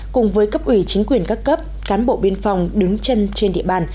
cùng với cấp ủy chính quyền các cấp cán bộ biên phòng đứng chân trên địa bàn